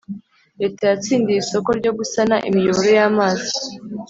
Leta yatsindiye isoko ryo gusana imiyoboro yamazi.